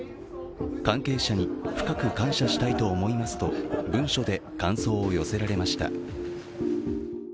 関係者に深く感謝したいと思いますと文書で感想を寄せられました。